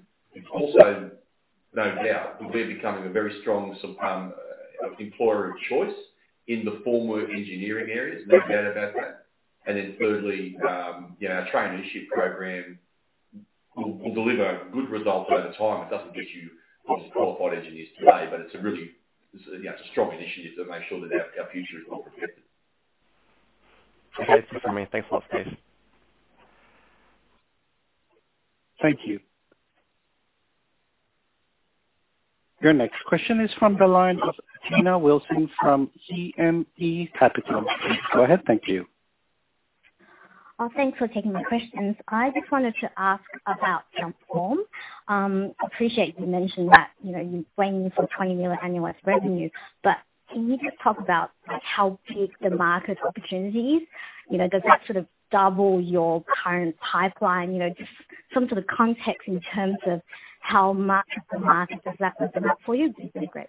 Speaker 2: Also. No doubt. We're becoming a very strong employer of choice in the formwork engineering areas, no doubt about that. Then thirdly, you know, our traineeship program will deliver good results over time. It doesn't get you qualified engineers today, but it's a really, you know, it's a strong initiative to make sure that our future is well protected.
Speaker 4: Okay. That's it for me. Thanks a lot, Steve.
Speaker 1: Thank you. Your next question is from the line of Tina Wilson from CME Capital. Go ahead. Thank you.
Speaker 5: Thanks for taking my questions. I just wanted to ask about formwork. Appreciate you mentioned that, you know, you're aiming for 20 million annualized revenue. Can you just talk about, like, how big the market opportunity is? You know, does that sort of double your current pipeline? You know, just some sort of context in terms of how much of the market does that open up for you would be great.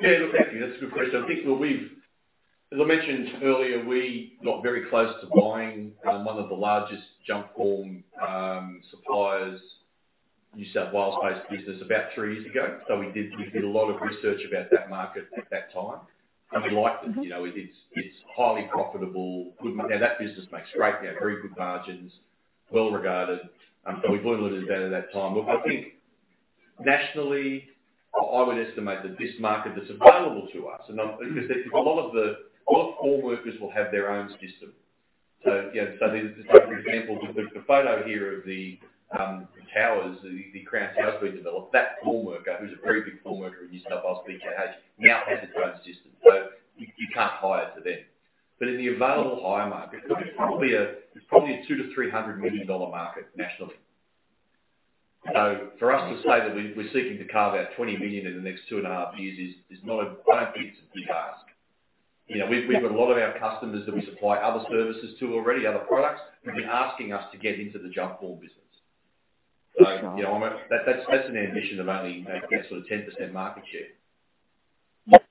Speaker 2: Yeah. Look, thank you. That's a good question. As I mentioned earlier, we got very close to buying one of the largest Jumpform suppliers, New South Wales-based business about three years ago. We did a lot of research about that market at that time, and we liked it. You know, it's highly profitable. Now, that business makes great money, very good margins, well regarded. So we learned a little better that time. I think nationally, I would estimate that this market that's available to us. Because there's a lot of formworkers will have their own system. You know, just take an example, the photo here of the towers, the Crown Tower we developed, that formwork, who's a very big formwork in New South Wales, BKH, now has its own system. You can't hire to them. In the available hire market, there's probably a 200 million-300 million dollar market nationally. For us to say that we're seeking to carve out 20 million in the next 2.5 years is not a big ask. I don't think it's a big ask. You know, we've got a lot of our customers that we supply other services to already, other products, who've been asking us to get into the Jumpform business. You know, that's an ambition of only sort of 10% market share.
Speaker 5: Yep.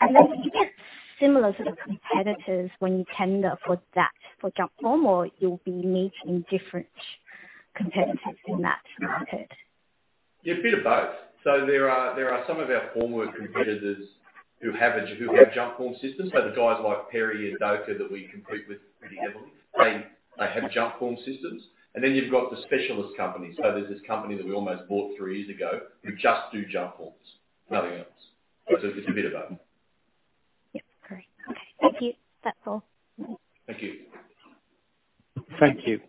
Speaker 5: Would you get similar sort of competitors when you tender for that, for Jumpform, or you'll be meeting different competitors in that market?
Speaker 2: Yeah, a bit of both. There are some of our formwork competitors who have jump form systems. The guys like PERI and Doka that we compete with pretty heavily, they have jump form systems. Then you've got the specialist companies. There's this company that we almost bought three years ago who just do Jumpforms, nothing else. It's a bit of both.
Speaker 5: Yep. Great. Okay. Thank you. That's all.
Speaker 2: Thank you.
Speaker 1: Thank you.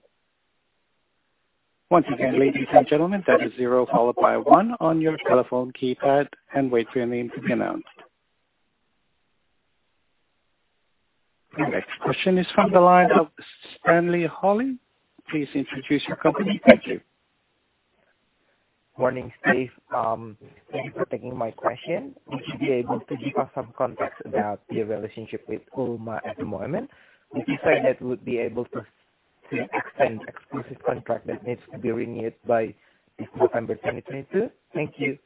Speaker 1: Once again, ladies and gentlemen, that is zero followed by one on your telephone keypad, and wait for your name to be announced. Your next question is from the line of Stanley Holly. Please introduce your company. Thank you.
Speaker 6: Morning, Steve. Thank you for taking my question. Would you be able to give us some context about your relationship with ULMA at the moment? Would you say that would be able to to extend exclusive contract that needs to be renewed by this November 2022? Thank you.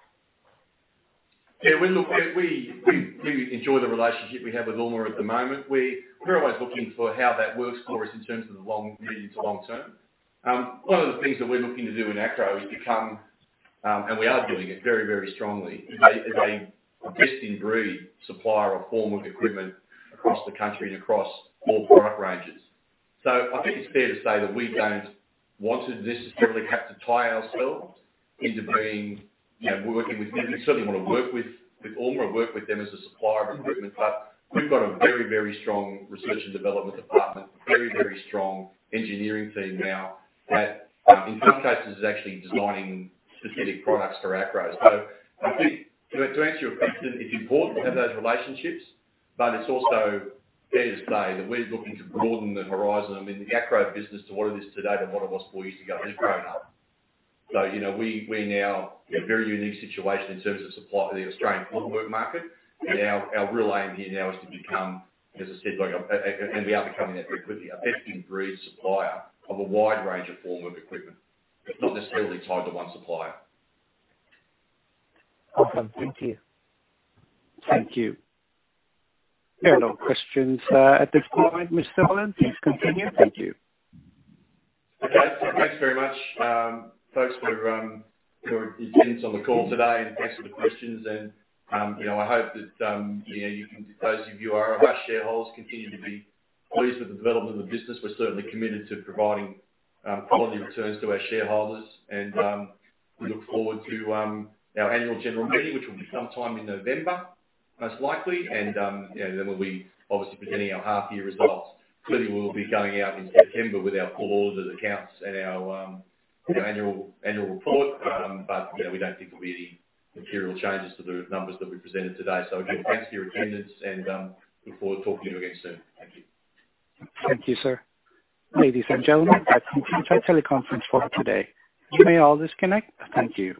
Speaker 2: Yeah. We enjoy the relationship we have with ULMA at the moment. We're always looking for how that works for us in terms of the medium to long term. One of the things that we're looking to do in Acrow is become, and we are doing it very, very strongly, a best-in-breed supplier of formwork equipment across the country and across all product ranges. I think it's fair to say that we don't want to necessarily have to tie ourselves into being, you know, working with ULMA. We certainly wanna work with ULMA, work with them as a supplier of equipment, but we've got a very, very strong research and development department, very, very strong engineering team now that in some cases is actually designing specific products for Acrow. I think to answer your question, it's important to have those relationships, but it's also fair to say that we're looking to broaden the horizon. I mean, the Acrow business to what it is today, to what it was four years ago, has grown up. You know, we now in a very unique situation in terms of supply for the Australian formwork market, and our real aim here now is to become, as I said, like a and we are becoming that very quickly, a best-in-breed supplier of a wide range of formwork equipment, not necessarily tied to one supplier.
Speaker 6: Okay. Thank you.
Speaker 1: Thank you. There are no questions, at this point, Mr. Boland. Please continue. Thank you.
Speaker 2: Okay. Thanks very much, folks, for attending on the call today and thanks for the questions and, you know, I hope that those of you who are our shareholders continue to be pleased with the development of the business. We're certainly committed to providing quality returns to our shareholders and we look forward to our annual general meeting, which will be sometime in November, most likely. You know, then we'll be obviously presenting our half year results. Clearly, we'll be going out in September with our full audited accounts and our annual report. You know, we don't think there'll be any material changes to the numbers that we presented today. Again, thanks for your attendance and look forward to talking to you again soon. Thank you.
Speaker 1: Thank you, sir. Ladies and gentlemen, that concludes our teleconference for today. You may all disconnect. Thank you.